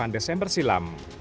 delapan desember silam